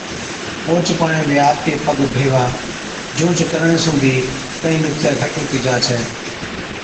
اوهچ پاڻِيان ۾ آپڪي پگ ڀيوا، جھُونچ ڪرڻي سُون بِي ڪهِين ڏُکتَي گھٽ هُتِي جا ڇَي۔